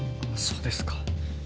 そうですか。